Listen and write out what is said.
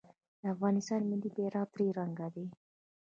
د افغانستان ملي بیرغ درې رنګه دی